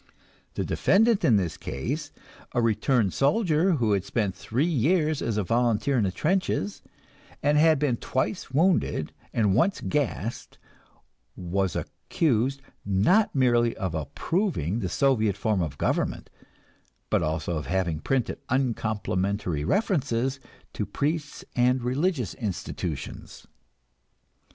The defendant in this case, a returned soldier who had spent three years as a volunteer in the trenches, and had been twice wounded and once gassed, was accused, not merely of approving the Soviet form of government, but also of having printed uncomplimentary references to priests and religious institutions.